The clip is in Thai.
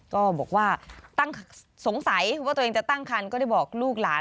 ก็บอกว่าตั้งสงสัยว่าตัวเองจะตั้งคันก็ได้บอกลูกหลาน